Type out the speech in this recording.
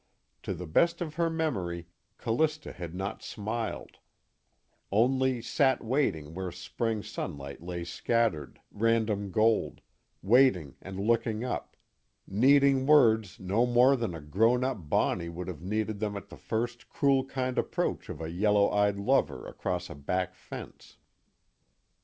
To the best of her memory, Callista had not smiled; only sat waiting where spring sunlight lay scattered, random gold; waiting and looking up, needing words no more than a grown up Bonnie would have needed them at the first cruel kind approach of a yellow eyed lover across a back fence.